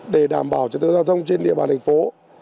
để đảm bảo trật tự giao thông trên địa bàn thành phố